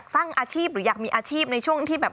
สร้างอาชีพยากมีอาชีพในช่วงที่